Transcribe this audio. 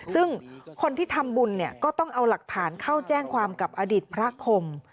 ซึ่งคนที่ทำบุญเนี่ยก็ต้องเอาหลักฐานเข้าแจ้งความกับอดีตพระคม